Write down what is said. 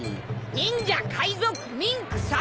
忍者海賊ミンク侍！